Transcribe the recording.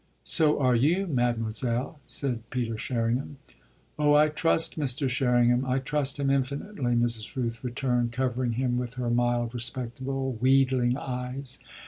"So are you, mademoiselle," said Peter Sherringham. "Oh, I trust Mr. Sherringham I trust him infinitely," Mrs. Rooth returned, covering him with her mild, respectable, wheedling eyes.